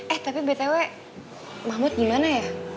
eh tapi btw mahmud gimana ya